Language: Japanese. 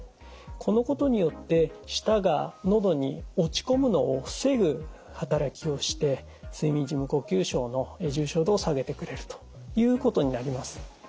このことによって舌がのどに落ち込むのを防ぐ働きをして睡眠時無呼吸症の重症度を下げてくれるということになります。